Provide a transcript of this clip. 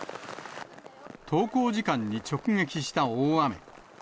登校時間に直撃した大雨。